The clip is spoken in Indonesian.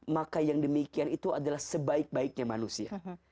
maka yang demikian itu adalah sebaik baiknya manusia